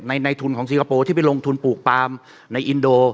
ในทุนของสิงคโปร์ที่ไปลงทุนปลูกปาล์มในอินโด